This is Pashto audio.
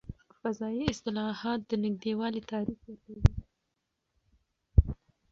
فضايي اصطلاحات د نږدې والي تعریف ورکوي.